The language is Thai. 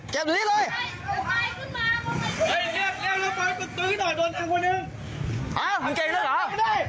เจ็บดิเลย